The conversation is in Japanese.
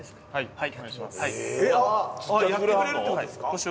はい。